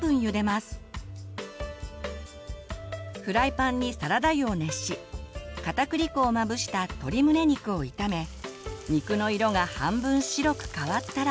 フライパンにサラダ油を熱しかたくり粉をまぶした鶏むね肉を炒め肉の色が半分白く変わったら。